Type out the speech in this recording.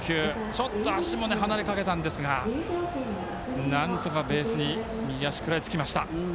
ちょっと足も離れかけたんですがなんとか、ベースに右足、食らいつきました。